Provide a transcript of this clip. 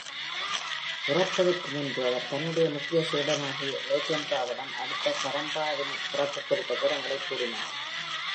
இறப்பதற்கு முன்பு, அவர் தன்னுடைய முக்கிய சீடனாகிய Urgyenpa விடம் அடுத்த Karmapa-ன் பிறப்பு குறித்த விபரங்களைக் கூறினார்.